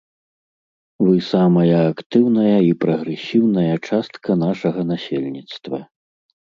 Вы самая актыўная і прагрэсіўная частка нашага насельніцтва.